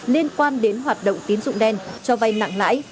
liên quan đến hoạt động tín dụng đen cho vay nặng lãi